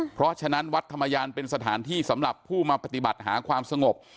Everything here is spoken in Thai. เพราะฉะนั้นวัดธรรมยานเป็นสถานที่สำหรับผู้มาปฏิบัติหาความสงบ